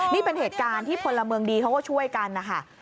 นี่เป็นเหตุการณ์ที่พลเมืองดีเขาก็ช่วยกันนะคะ